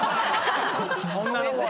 女の子で。